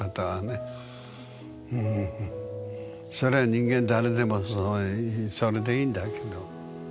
それ人間誰でもそうそれでいんだけど。